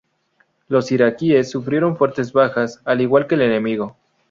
Los iraquíes sufrieron fuertes bajas al igual que el enemigo.